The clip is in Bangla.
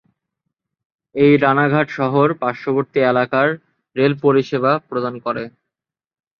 এটি রানাঘাট শহর ও পার্শ্ববর্তী এলাকার রেল-পরিষেবা প্রদান করে।